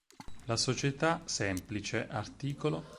La società semplice art.